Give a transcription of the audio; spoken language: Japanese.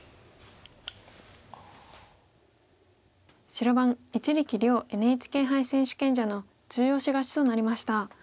白番一力遼ＮＨＫ杯選手権者の中押し勝ちとなりました。